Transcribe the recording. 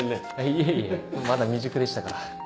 いえいえまだ未熟でしたから。